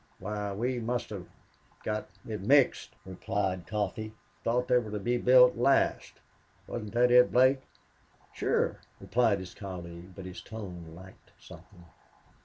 Why we must have got it mixed," replied Coffee. "Thought they were to be built last. Wasn't that it, Blake?" "Sure," replied his colleague, but his tone lacked something.